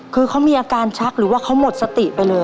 คือเขามีอาการชักหรือว่าเขาหมดสติไปเลย